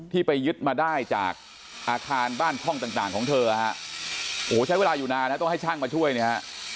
ที่ไปยึดมาได้จากอาคารบ้านท่องต่างของเธอฮะโอ้โหใช้เวลาอยู่นานนะต้องให้ช่างมาช่วยเนี่ยฮะ